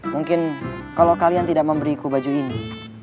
mungkin kalau kalian tidak memberiku baju ini